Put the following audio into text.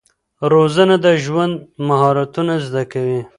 روزنه د ژوند مهارتونه زده کوي.